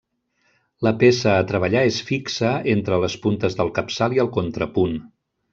La peça a treballar es fixa entre les puntes del capçal i el contrapunt.